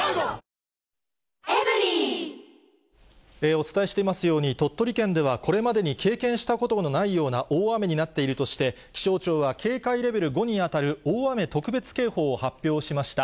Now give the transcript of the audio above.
お伝えしていますように、鳥取県ではこれまでに経験したことのないような大雨になっているとして、気象庁は警戒レベル５に当たる大雨特別警報を発表しました。